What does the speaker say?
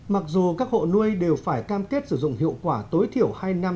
mặc dù các hộ nuôi đều phải cam kết sử dụng hiệu quả tối thiểu